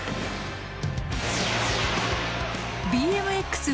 ＢＭＸ